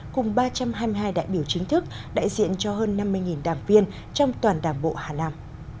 cùng ba trăm hai mươi hai đại biểu chính thức đại diện cho hơn năm mươi đảng viên trong toàn đảng bộ hà nam